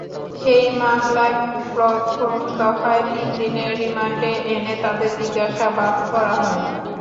সেই মামলায় প্রথম দফায় তিন দিনের রিমান্ডে এনে তাঁদের জিজ্ঞাসাবাদ করা হয়।